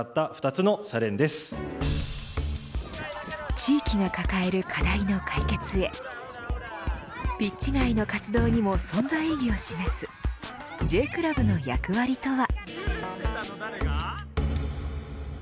地域が抱える課題の解決へピッチ外の活動にも存在意義を示すＪクラブの役割とは。